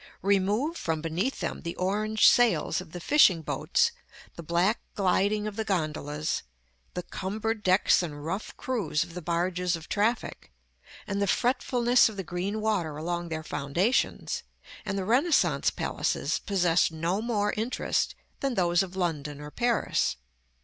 Remove from beneath them the orange sails of the fishing boats, the black gliding of the gondolas, the cumbered decks and rough crews of the barges of traffic, and the fretfulness of the green water along their foundations, and the Renaissance palaces possess no more interest than those of London or Paris.